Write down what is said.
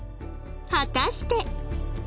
果たして